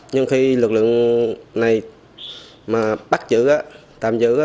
nhưng khi lực lượng này bắt giữ tạm giữ